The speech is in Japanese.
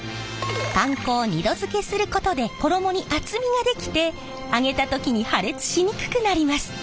パン粉を２度づけすることで衣に厚みが出来て揚げた時に破裂しにくくなります。